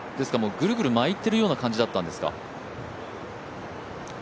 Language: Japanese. ぐるぐる巻いているような感じだったんですか。